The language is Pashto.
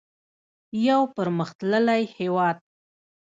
یو پرمختللی هیواد.